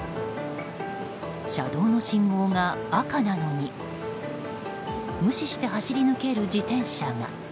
車道の信号が赤なのに無視して走り抜ける自転車が。